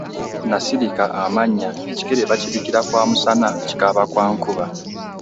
N'asirika amanya, ekikere bakibikira kwa musana kikaaba kwa nkuba